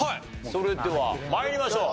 それでは参りましょう。